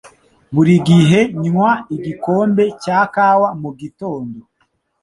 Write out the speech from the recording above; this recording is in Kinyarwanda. Buri gihe nywa igikombe cya kawa mugitondo.